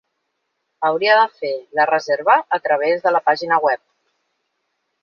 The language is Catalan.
Hauria de fer la reserva a través de la pàgina web.